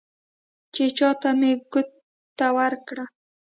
چې چا ته مې ګوته ورکړه،